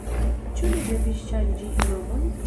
Ĉu li devis ŝanĝi nomon?